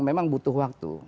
memang butuh waktu